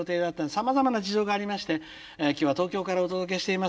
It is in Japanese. さまざまな事情がありまして今日は東京からお届けしています。